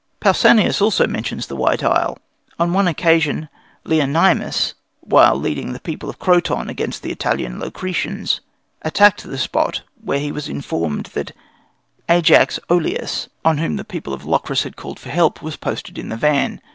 Pausanias also mentions the White Isle. On one occasion, Leonymus, while leading the people of Croton against the Italian Locrians, attacked the spot where he was informed that Ajax Oïleus, on whom the people of Locris had called for help, was posted in the van.